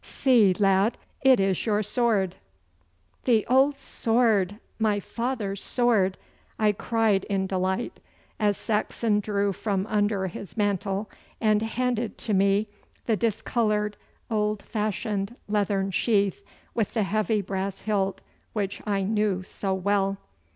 See, lad, it is your sword!' 'The old sword! My father's sword!' I cried in delight, as Saxon drew from under his mantle and handed to me the discoloured, old fashioned leathern sheath with the heavy brass hilt which I knew so well.